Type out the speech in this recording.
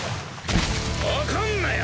怒んなよ。